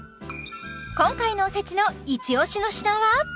今回のおせちのイチオシの品は？